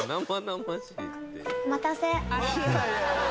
お待たせ。